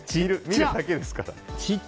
見るだけですから。